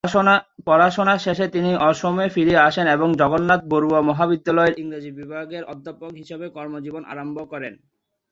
পড়াশোনার শেষে তিনি অসমে ফিরে আসেন এবং জগন্নাথ বরুয়া মহাবিদ্যালয়ে ইংরাজী বিভাগের অধ্যাপক হিসাবে কর্মজীবন আরম্ভ করেন।